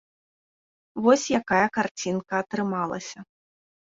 Вось якая карцінка атрымалася.